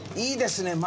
いいですね